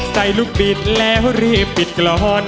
ใส่ลูกบิดแล้วรีบปิดกรอน